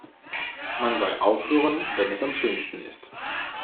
Man soll aufhören, wenn es am schönsten ist.